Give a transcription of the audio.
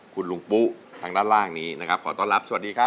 คุณลุงปุ๊ทางด้านล่างนี้นะครับขอต้อนรับสวัสดีครับ